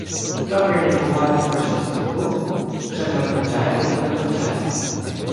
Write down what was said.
Добре міркувати про чесноту – ще не означає бути доброчесним